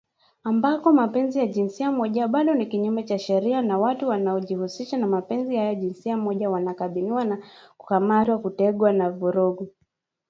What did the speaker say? Ambako mapenzi ya jinsia moja bado ni kinyume cha sheria na watu wanaojihusisha na mapenzi ya jinsia moja wanakabiliwa na kukamatwa, kutengwa na vurugu